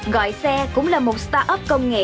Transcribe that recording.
gọi xe cũng là một startup công nghệ